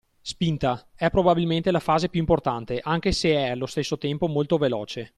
Spinta: è probabilmente la fase più importante, anche se è allo stesso tempo molto veloce.